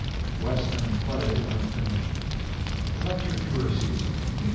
Western play (unfinished). Lecture tour, season 1871 72.